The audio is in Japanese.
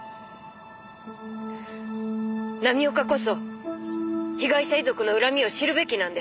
浪岡こそ被害者遺族の恨みを知るべきなんです。